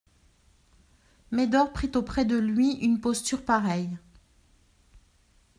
Médor prit auprès de lui une posture pareille.